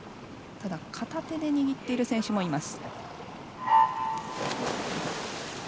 ただ、片手で握っている選手もいます。